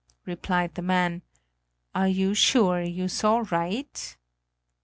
replied the man; "are you sure you saw right?"